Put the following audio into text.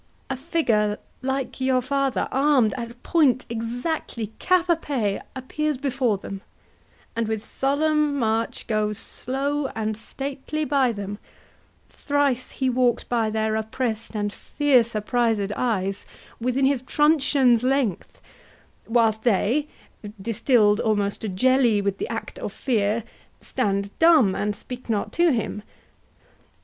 A figure like your father, Armed at point exactly, cap à pie, Appears before them, and with solemn march Goes slow and stately by them: thrice he walk'd By their oppress'd and fear surprised eyes, Within his truncheon's length; whilst they, distill'd Almost to jelly with the act of fear, Stand dumb, and speak not to him.